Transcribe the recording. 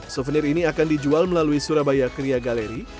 souvenir ini akan dijual melalui surabaya kria galeri